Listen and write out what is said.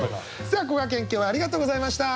さあこがけん今日はありがとうございました。